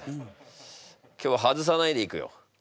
今日ハズさないでいくよ。